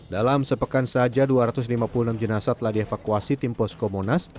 dalam sepekan saja dua ratus lima puluh enam jenasa telah dievakuasi tim posko monas